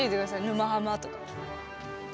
「沼ハマ」とか。